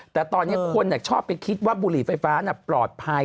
แต่ตอนนี้คนชอบไปคิดว่าบุหรี่ไฟฟ้าปลอดภัย